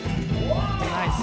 ナイス。